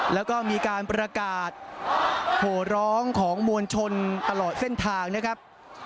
แล้วก็มีการประกาศโหร้องของมวลชนตลอดเส้นทางนะครับ